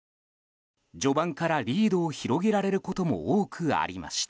序盤からリードを広げられることも多くありました。